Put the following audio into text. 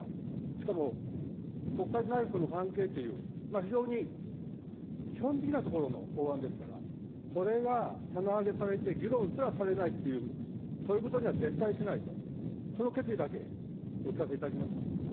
しかも、国会と内閣の関係という、非常に基本的なところの法案ですから、これが棚上げされて、議論すらされないっていう、そういうことには絶対しないと、その決意だけお聞かせいただけますか。